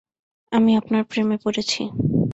আমি আপনার প্রেমে পড়েছি।